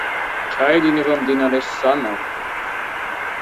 ჩაედინება მდინარე სანაგა.